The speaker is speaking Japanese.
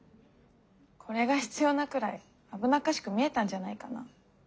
これが必要なくらい危なっかしく見えたんじゃないかな。